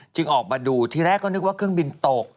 ออกมาดูที่แรกก็นึกว่าเครื่องบินตก